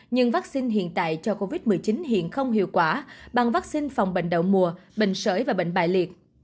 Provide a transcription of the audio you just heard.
nhưng vắc xin hiện tại cho covid một mươi chín hiện không hiệu quả bằng vắc xin phòng bệnh đậu mùa bệnh sởi và bệnh bại liệt